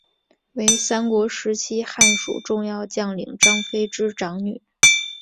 为三国时期蜀汉重要将领张飞之长女。